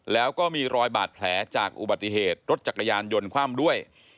แล้วก็มีรอยบาดแผลจากอุบัติเหตุรถจักรยานยนต์คว่ำด้วย